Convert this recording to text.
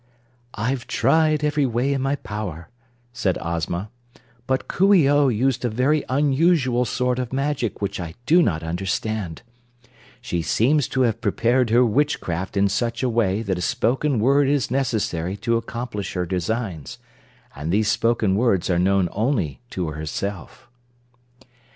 "I've tried every way in my power," said Ozma, "but Coo ee oh used a very unusual sort of magic which I do not understand. She seems to have prepared her witchcraft in such a way that a spoken word is necessary to accomplish her designs, and these spoken words are known only to herself."